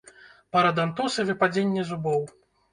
Парадантоз і выпадзенне зубоў.